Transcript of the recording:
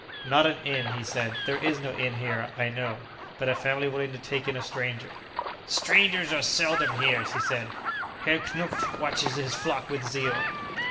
"Not an inn," he said. "There is no inn here, I know. But a family willing to take in a stranger " "Strangers are seldom here," she said. "Herr Knupf watches his flock with zeal."